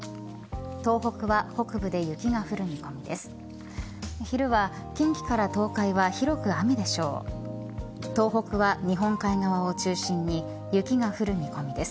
東北は北部で雪が降る見込みです。